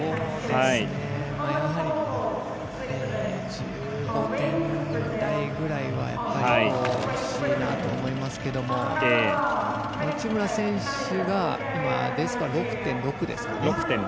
やはり、１５点台ぐらいはほしいなと思いますけども内村選手が今Ｄスコア６．６ですか。